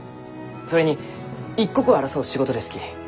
それに一刻を争う仕事ですき。